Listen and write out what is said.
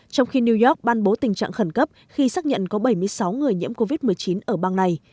trong khi new york ban bố tình trạng khẩn cấp khi xác nhận có bảy mươi sáu người nhiễm covid một mươi chín ở bang này